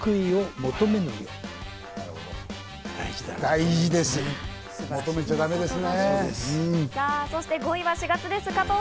求めちゃだめですね。